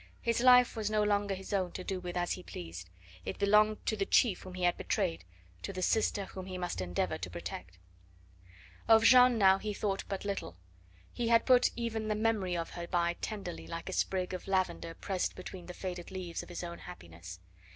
His life was no longer his own to do with as he pleased; it belonged to the chief whom he had betrayed, to the sister whom he must endeavour to protect. Of Jeanne now he thought but little. He had put even the memory of her by tenderly, like a sprig of lavender pressed between the faded leaves of his own happiness.